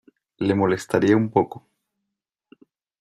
Le molestaría un poco.